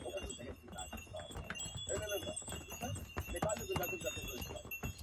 یا فرنګ ته یا پنجاب په ښکنځلو!